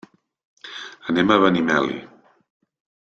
Anem a Benimeli.